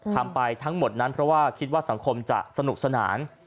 ทำไปทั้งหมดนั้นเพราะว่าคิดว่าสังคมจะสนุกสนาน